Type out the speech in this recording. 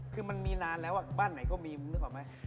คือมันมีนานแล้วอะบ้านไหนก็มีนึกออกมั๊ย